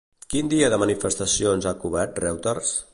Quin dia de manifestacions ha cobert Reuters?